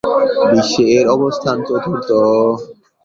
বিশ্বে এর অবস্থান চতুর্থ।